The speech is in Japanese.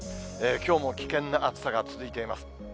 きょうも危険な暑さが続いています。